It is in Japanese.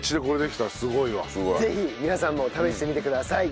ぜひ皆さんも試してみてください。